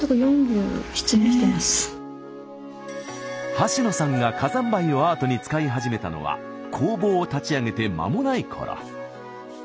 橋野さんが火山灰をアートに使い始めたのは工房を立ち上げてまもないころ。